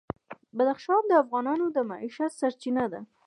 بدخشان د افغانانو د معیشت سرچینه ده.